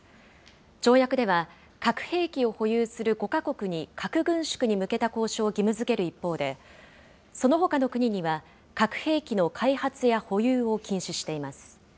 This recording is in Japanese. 条約では、核兵器を保有する５か国に、核軍縮に向けた交渉を義務づける一方で、そのほかの国には、核兵器の開発や保有を禁止しています。